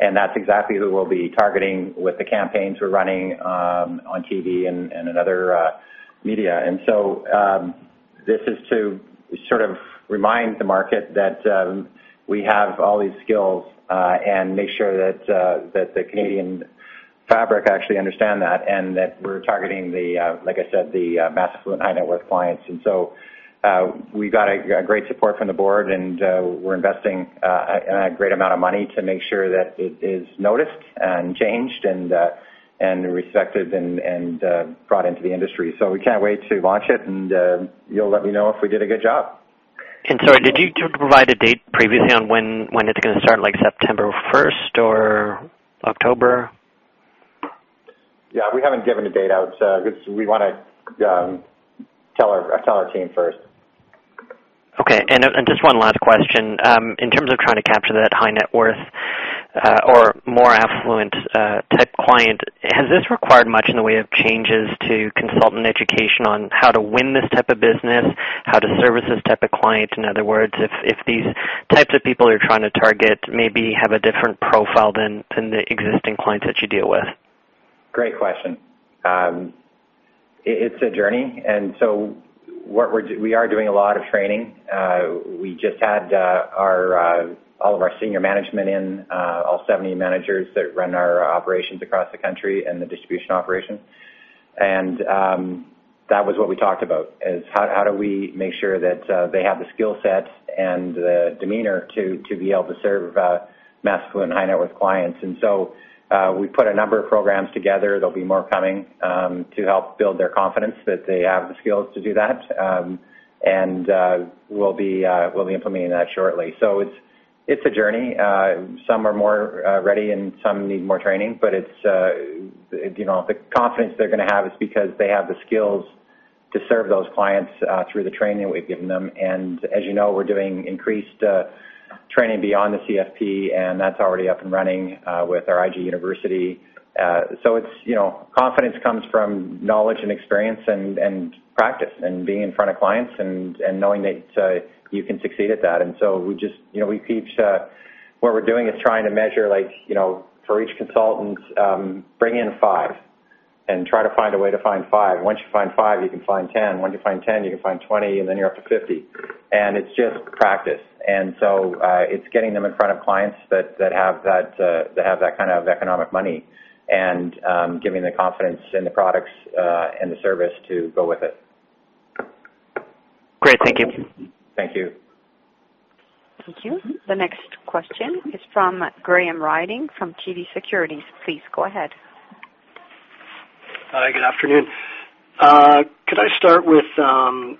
And that's exactly who we'll be targeting with the campaigns we're running on TV and in other media. This is to sort of remind the market that we have all these skills, and make sure that that the Canadian fabric actually understand that, and that we're targeting the, like I said, the, mass affluent, high net worth clients. We got a great support from the board, and we're investing a great amount of money to make sure that it is noticed and changed and, and respected and, and, brought into the industry. So we can't wait to launch it, and you'll let me know if we did a good job. Sorry, did you provide a date previously on when it's gonna start, like September 1st or October? Yeah, we haven't given a date out, because we wanna tell our team first. Okay. And just one last question. In terms of trying to capture that high net worth or more affluent type client, has this required much in the way of changes to consultant education on how to win this type of business? How to service this type of client? In other words, if these types of people you're trying to target maybe have a different profile than the existing clients that you deal with. Great question. It's a journey, and so we are doing a lot of training. We just had all of our senior management in, all 70 managers that run our operations across the country and the distribution operation. That was what we talked about, is how do we make sure that they have the skill set and the demeanor to be able to serve mass affluent, high net worth clients. And so we put a number of programs together. There'll be more coming to help build their confidence that they have the skills to do that. And we'll be implementing that shortly. So it's a journey. Some are more ready and some need more training, but it's you know, the confidence they're gonna have is because they have the skills to serve those clients through the training that we've given them. And as you know, we're doing increased training beyond the CFP, and that's already up and running with our IG University. So it's you know, confidence comes from knowledge and experience and, and practice and being in front of clients and, and knowing that you can succeed at that. And so we just you know, we keep... What we're doing is trying to measure like you know, for each consultant, bring in five and try to find a way to find five. Once you find five, you can find 10. Once you find 10, you can find 20, and then you're up to 50. It's just practice. So, it's getting them in front of clients that, that have that, that have that kind of economic money and, giving the confidence in the products, and the service to go with it.... Great, thank you. Thank you. Thank you. The next question is from Graham Ryding from TD Securities. Please go ahead. Hi, good afternoon. Could I start with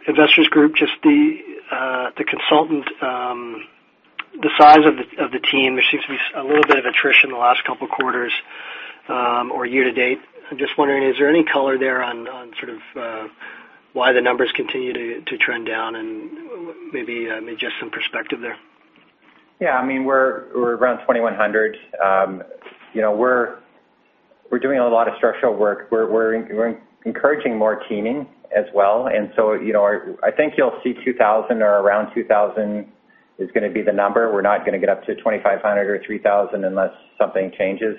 Investors Group, just the consultant, the size of the team. There seems to be a little bit of attrition in the last couple quarters, or year to date. I'm just wondering, is there any color there on, on sort of, why the numbers continue to trend down and maybe just some perspective there? Yeah, I mean, we're around 2,100. You know, we're doing a lot of structural work. We're encouraging more teaming as well. And so, you know, I think you'll see 2,000 or around 2,000 is gonna be the number. We're not gonna get up to 2,500 or 3,000 unless something changes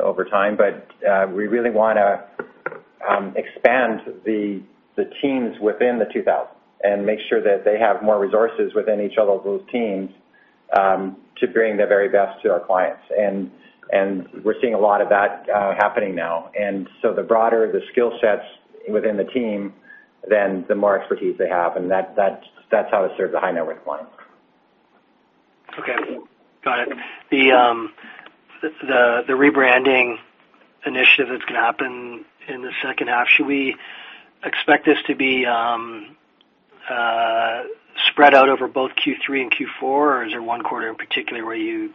over time. But we really wanna expand the teams within the 2,000 and make sure that they have more resources within each of those teams to bring their very best to our clients. And we're seeing a lot of that happening now. And so the broader the skill sets within the team, then the more expertise they have, and that's how we serve the high net worth clients. Okay, got it. The rebranding initiative that's gonna happen in the second half, should we expect this to be spread out over both Q3 and Q4, or is there one quarter in particular where you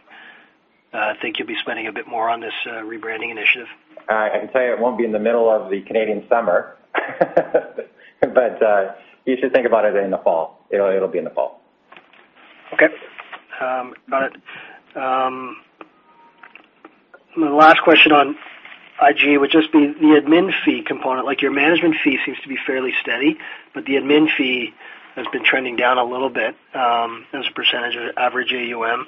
think you'll be spending a bit more on this rebranding initiative? I can tell you it won't be in the middle of the Canadian summer. But, you should think about it in the fall. It'll be in the fall. Okay. Got it. My last question on IG would just be the admin fee component, like your management fee seems to be fairly steady, but the admin fee has been trending down a little bit, as a percentage of average AUM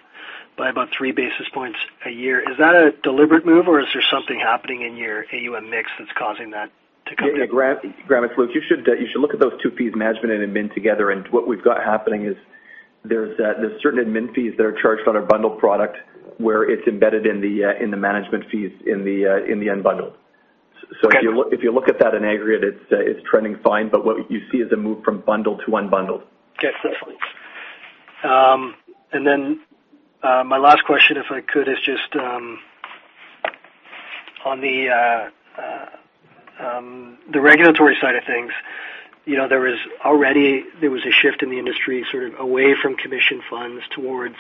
by about three basis points a year. Is that a deliberate move, or is there something happening in your AUM mix that's causing that to come down? Yeah, Graham, Graham, it's Luke. You should, you should look at those two fees, management and admin together. And what we've got happening is there's, there's certain admin fees that are charged on our bundled product, where it's embedded in the, in the management fees in the, in the unbundled. Got it. So if you look, if you look at that in aggregate, it's, it's trending fine, but what you see is a move from bundled to unbundled. Okay, that's fine. And then my last question, if I could, is just on the regulatory side of things. You know, there was a shift in the industry, sort of away from commission funds towards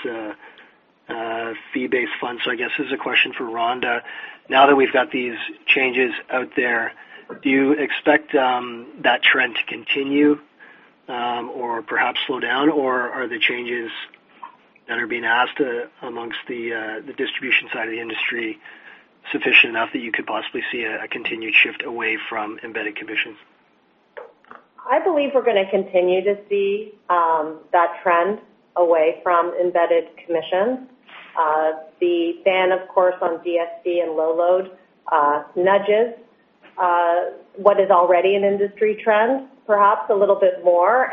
fee-based funds. So I guess this is a question for Rhonda. Now that we've got these changes out there, do you expect that trend to continue, or perhaps slow down? Or are the changes that are being asked amongst the distribution side of the industry sufficient enough that you could possibly see a continued shift away from embedded commissions? I believe we're gonna continue to see that trend away from embedded commissions. The ban, of course, on DSC and low load nudges what is already an industry trend, perhaps a little bit more.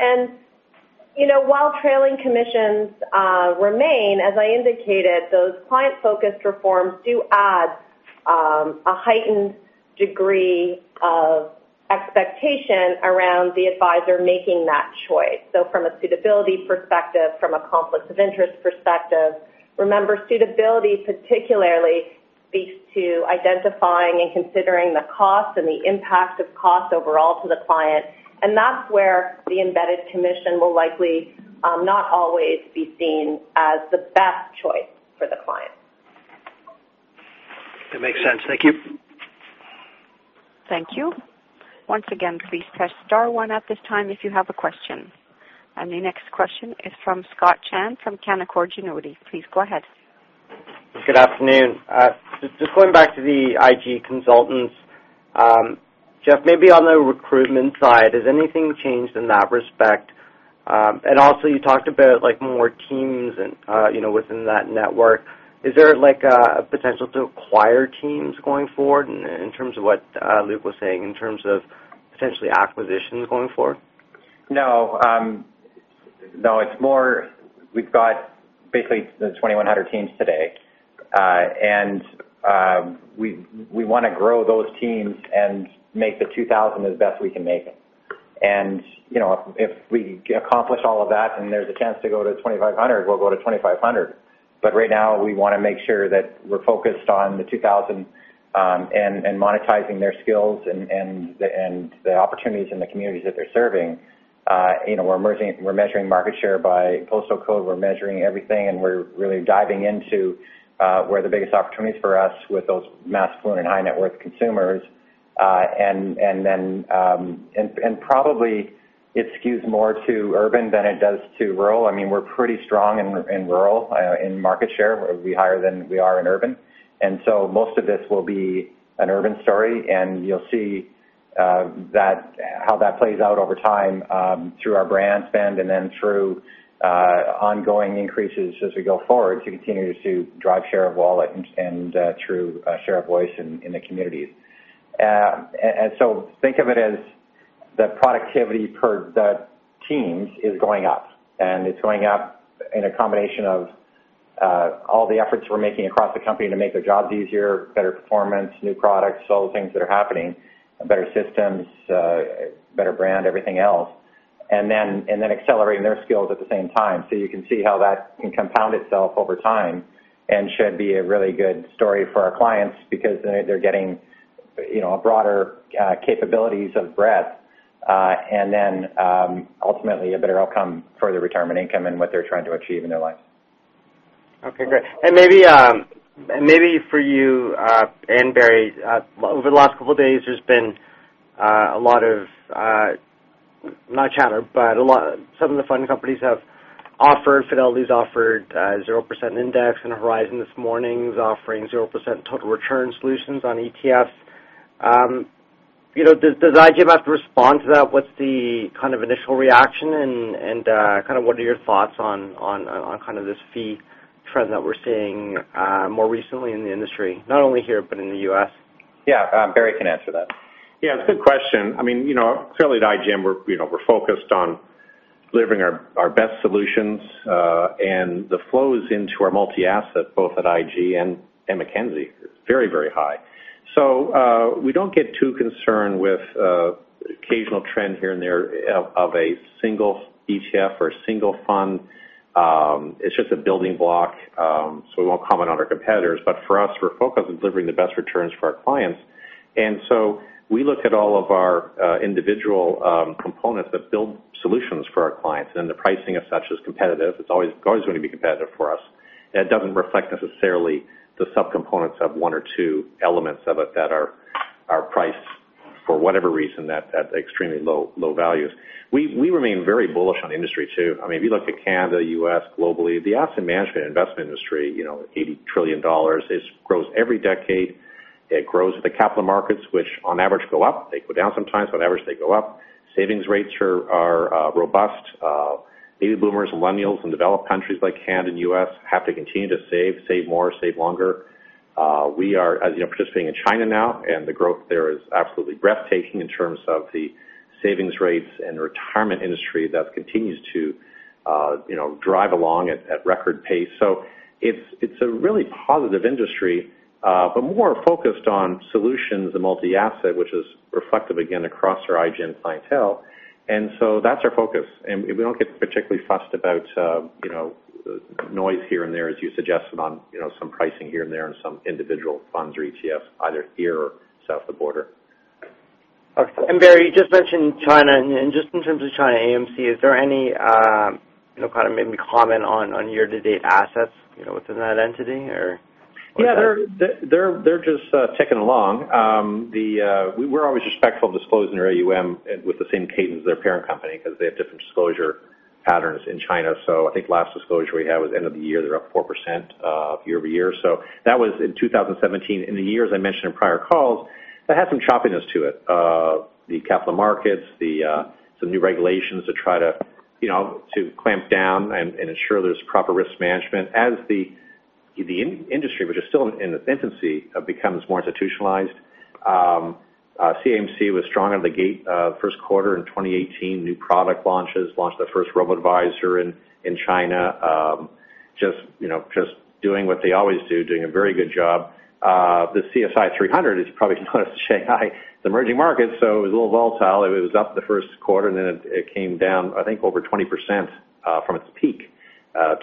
You know, while trailing commissions remain, as I indicated, those client-focused reforms do add a heightened degree of expectation around the advisor making that choice. So from a suitability perspective, from a conflict of interest perspective, remember, suitability particularly speaks to identifying and considering the cost and the impact of cost overall to the client, and that's where the embedded commission will likely not always be seen as the best choice for the client. That makes sense. Thank you. Thank you. Once again, please press star one at this time if you have a question. The next question is from Scott Chan from Canaccord Genuity. Please go ahead. Good afternoon. Just, just going back to the IG consultants. Jeff, maybe on the recruitment side, has anything changed in that respect? And also, you talked about like more teams and, you know, within that network. Is there like a, a potential to acquire teams going forward in terms of what Luke was saying, in terms of potentially acquisitions going forward? No. No, it's more we've got basically the 2,100 teams today. And we want to grow those teams and make the 2,000 as best we can make it. And, you know, if we accomplish all of that, and there's a chance to go to 2,500, we'll go to 2,500. But right now, we want to make sure that we're focused on the 2,000, and monetizing their skills and the opportunities in the communities that they're serving. You know, we're measuring, we're measuring market share by postal code. We're measuring everything, and we're really diving into where the biggest opportunities for us with those mass affluent and high net worth consumers. And then probably it skews more to urban than it does to rural. I mean, we're pretty strong in rural in market share. We're higher than we are in urban. And so most of this will be an urban story, and you'll see that, how that plays out over time, through our brand spend, and then through ongoing increases as we go forward to continue to drive share of wallet and through share of voice in the communities. And so think of it as the productivity per the teams is going up, and it's going up in a combination of all the efforts we're making across the company to make their jobs easier, better performance, new products, all the things that are happening, better systems, better brand, everything else, and then accelerating their skills at the same time. So you can see how that can compound itself over time and should be a really good story for our clients because they're getting, you know, a broader capabilities of breadth, and then, ultimately, a better outcome for their retirement income and what they're trying to achieve in their lives. Okay, great. And maybe, and maybe for you, and Barry, over the last couple of days, there's been, a lot of, not chatter, but a lot- some of the fund companies have offered, Fidelity's offered, 0% index, and Horizons this morning is offering 0% total return solutions on ETFs. You know, does, does IG have to respond to that? What's the kind of initial reaction and, and, kind of what are your thoughts on, on, on kind of this fee trend that we're seeing, more recently in the industry, not only here, but in the US? Yeah, Barry can answer that. Yeah, good question. I mean, you know, clearly at IGM, we're, you know, we're focused on delivering our, our best solutions, and the flows into our multi-asset, both at IG and, and Mackenzie, is very, very high. So, we don't get too concerned with, occasional trend here and there of, of a single ETF or a single fund. It's just a building block, so we won't comment on our competitors. But for us, we're focused on delivering the best returns for our clients. And so we look at all of our, individual, components that build solutions for our clients, and the pricing of such is competitive. It's always, always going to be competitive for us. That doesn't reflect necessarily the subcomponents of one or two elements of it that are, are priced for whatever reason, at, at extremely low, low values. We, we remain very bullish on the industry, too. I mean, if you look at Canada, U.S., globally, the asset management investment industry, you know, $80 trillion, it grows every decade. It grows at the capital markets, which on average, go up. They go down sometimes, on average, they go up. Savings rates are robust. Baby boomers, millennials in developed countries like Canada and U.S., have to continue to save, save more, save longer. We are, as you know, participating in China now, and the growth there is absolutely breathtaking in terms of the savings rates and the retirement industry that continues to, you know, drive along at record pace. So it's a really positive industry, but more focused on solutions and multi-asset, which is reflective, again, across our IGM clientele. And so that's our focus. We don't get particularly fussed about, you know, noise here and there, as you suggested, on, you know, some pricing here and there and some individual funds or ETFs, either here or south of the border. Okay. And Barry, you just mentioned China. And just in terms of ChinaAMC, is there any, you know, kind of maybe comment on, on year-to-date assets, you know, within that entity, or? Yeah, they're just ticking along. We're always respectful of disclosing their AUM with the same cadence as their parent company because they have different disclosure patterns in China. So I think last disclosure we had was end of the year, they're up 4% year-over-year. So that was in 2017. In the years I mentioned in prior calls, that had some choppiness to it. The capital markets, some new regulations to try to, you know, to clamp down and ensure there's proper risk management. As the industry, which is still in its infancy, becomes more institutionalized, ChinaAMC was strong out of the gate, first quarter in 2018, new product launches, launched their first robo-advisor in China, just, you know, just doing what they always do, doing a very good job. The CSI 300 is probably not Shanghai, the emerging market, so it was a little volatile. It was up the first quarter, and then it came down, I think, over 20%, from its peak,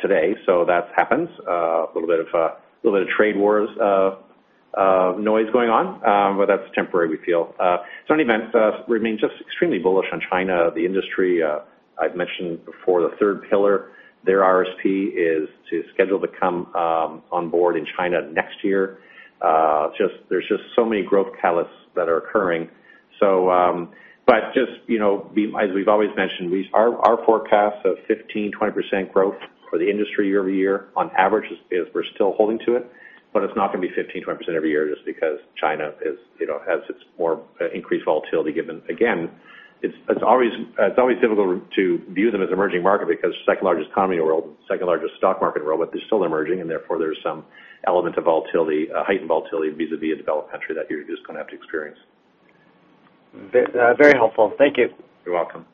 today. So that happens. A little bit of a little bit of trade wars, noise going on, but that's temporary, we feel. So in event, remain just extremely bullish on China, the industry. I've mentioned before, the third pillar, their RSP, is scheduled to come on board in China next year. Just, there's just so many growth catalysts that are occurring. So, but just, you know, we, as we've always mentioned, we-- our, our forecast of 15%-20% growth for the industry year-over-year on average, is, is we're still holding to it, but it's not going to be 15%-20% every year just because China is, you know, has its more increased volatility, given again, it's, it's always, it's always difficult to view them as emerging market because second largest economy in the world, second largest stock market in the world, but they're still emerging, and therefore there's some element of volatility, heightened volatility vis-a-vis a developed country that you're just going to have to experience. Very helpful. Thank you. You're welcome.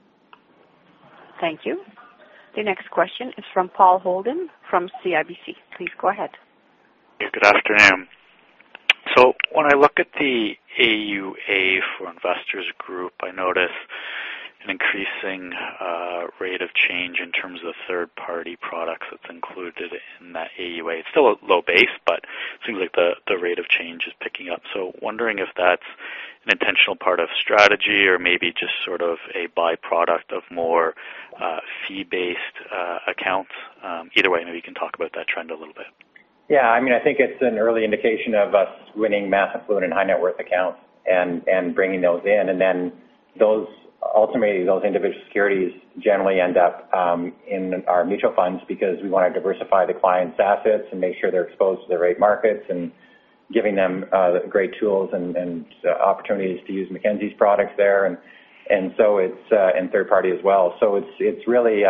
Thank you. The next question is from Paul Holden from CIBC. Please go ahead. Good afternoon. So when I look at the AUA for Investors Group, I notice an increasing rate of change in terms of third-party products that's included in that AUA. It's still a low base, but it seems like the rate of change is picking up. So wondering if that's an intentional part of strategy or maybe just sort of a by-product of more fee-based accounts. Either way, maybe you can talk about that trend a little bit. Yeah, I mean, I think it's an early indication of us winning mass affluent and high net worth accounts and bringing those in. And then those, ultimately, those individual securities generally end up in our mutual funds because we want to diversify the client's assets and make sure they're exposed to the right markets and giving them great tools and opportunities to use Mackenzie's products there. And so it's and third-party as well. So it's really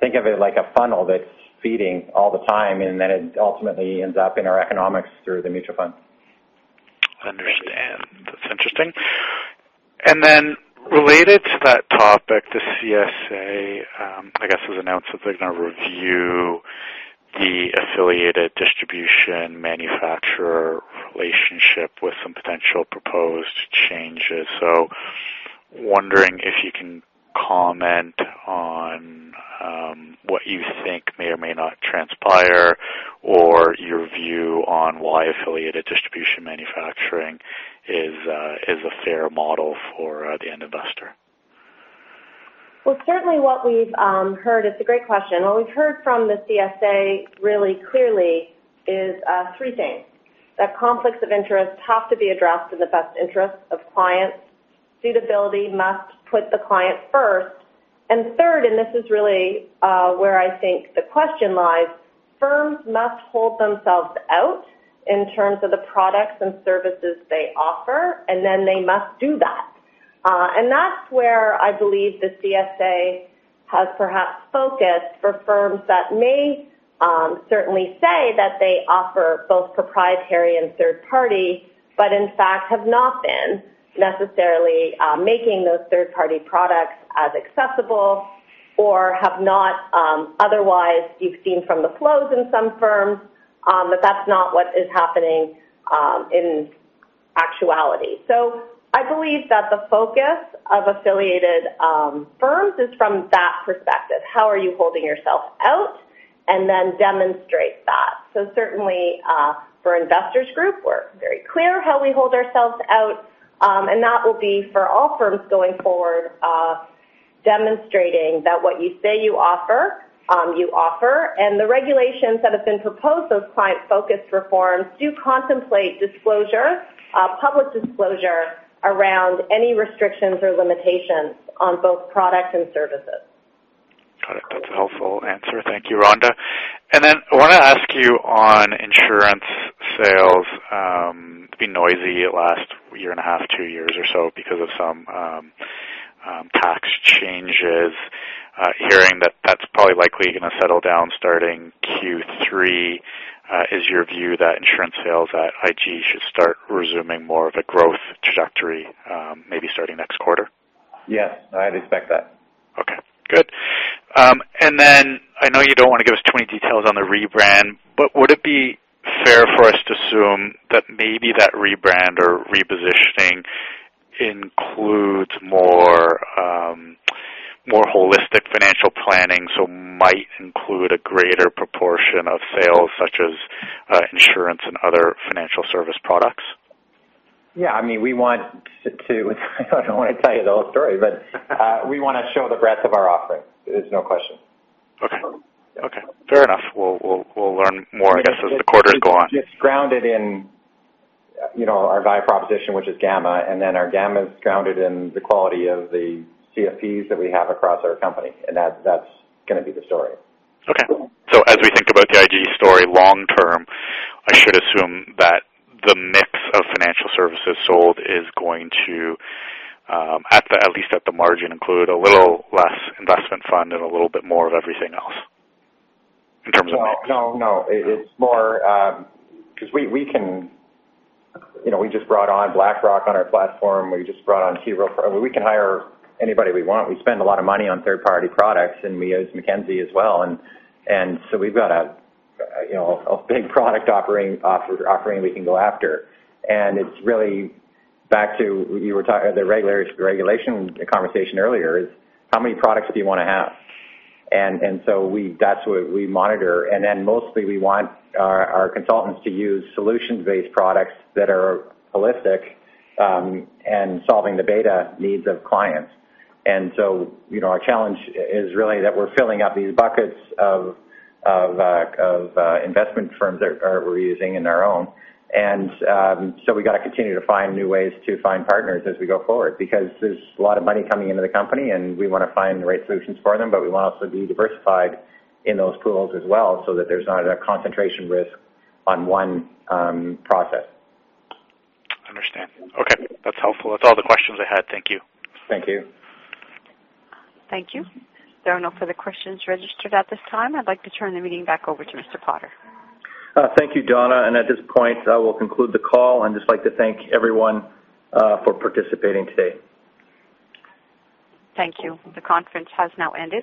think of it like a funnel that's feeding all the time, and then it ultimately ends up in our economics through the mutual fund.... Understand. That's interesting. And then related to that topic, the CSA, I guess, has announced that they're going to review the affiliated distribution manufacturer relationship with some potential proposed changes. So wondering if you can comment on what you think may or may not transpire, or your view on why affiliated distribution manufacturing is a fair model for the end investor? Well, certainly what we've heard, it's a great question. What we've heard from the CSA, really clearly, is three things: That conflicts of interest have to be addressed in the best interest of clients. Suitability must put the client first, and third, and this is really where I think the question lies, firms must hold themselves out in terms of the products and services they offer, and then they must do that. And that's where I believe the CSA has perhaps focused for firms that may certainly say that they offer both proprietary and third party, but in fact have not been necessarily making those third-party products as accessible or have not otherwise, you've seen from the flows in some firms, that that's not what is happening in actuality. So I believe that the focus of affiliated firms is from that perspective, how are you holding yourself out, and then demonstrate that. So certainly, for Investors Group, we're very clear how we hold ourselves out, and that will be for all firms going forward, demonstrating that what you say you offer, you offer. And the regulations that have been proposed, those client-focused reforms, do contemplate disclosure, public disclosure around any restrictions or limitations on both products and services. Got it. That's a helpful answer. Thank you, Rhonda. And then I want to ask you on insurance sales. It's been noisy last year and a half, two years or so because of some tax changes. Hearing that that's probably likely going to settle down starting Q3. Is your view that insurance sales at IG should start resuming more of a growth trajectory, maybe starting next quarter? Yes, I'd expect that. Okay, good. And then I know you don't want to give us too many details on the rebrand, but would it be fair for us to assume that maybe that rebrand or repositioning includes more holistic financial planning, so might include a greater proportion of sales, such as insurance and other financial service products? Yeah, I mean, we want to I don't want to tell you the whole story, but, we want to show the breadth of our offering. There's no question. Okay. Okay, fair enough. We'll learn more, I guess, as the quarters go on. It's grounded in, you know, our value proposition, which is Gamma, and then our Gamma is grounded in the quality of the CFPs that we have across our company, and that's, that's going to be the story. Okay. So as we think about the IG story long term, I should assume that the mix of financial services sold is going to, at least at the margin, include a little less investment fund and a little bit more of everything else in terms of mix? No, no. It's more because we can. You know, we just brought on BlackRock on our platform. We just brought on T. Rowe Price. I mean, we can hire anybody we want. We spend a lot of money on third-party products, and we as Mackenzie as well. And so we've got a big product offering we can go after. And it's really back to the regulation conversation earlier, is how many products do you want to have? And so we-- that's what we monitor. And then mostly we want our consultants to use solutions-based products that are holistic and solving the beta needs of clients. And so, you know, our challenge is really that we're filling up these buckets of investment firms that we're using in our own. So we got to continue to find new ways to find partners as we go forward, because there's a lot of money coming into the company, and we want to find the right solutions for them, but we want to also be diversified in those pools as well, so that there's not a concentration risk on one process. Understand. Okay, that's helpful. That's all the questions I had. Thank you. Thank you. Thank you. There are no further questions registered at this time. I'd like to turn the meeting back over to Mr. Potter. Thank you, Donna, and at this point, I will conclude the call. I'd just like to thank everyone for participating today. Thank you. The conference has now ended.